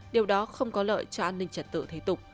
điều đó không có lợi cho an ninh trật tự thế tục